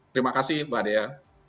terima kasih mbak dea